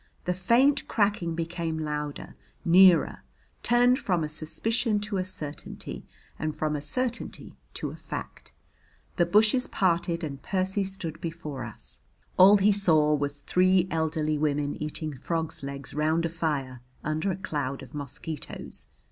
The faint cracking became louder, nearer, turned from a suspicion to a certainty and from a certainty to a fact. The bushes parted and Percy stood before us. All he saw was three elderly women eating frogs' legs round a fire under a cloud of mosquitoes.